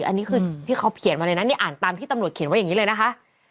อันนี้คือที่เขาเขียนมาเลยนะนี่อ่านตามที่ตำรวจเขียนไว้อย่างนี้เลยนะคะ